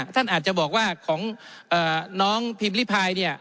ท่านอาจจะบอกว่าของน้องพิมพิพาย